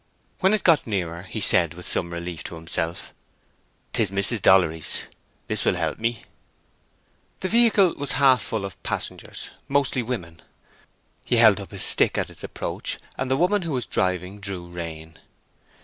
When it got nearer, he said, with some relief to himself, "'Tis Mrs. Dollery's—this will help me." The vehicle was half full of passengers, mostly women. He held up his stick at its approach, and the woman who was driving drew rein.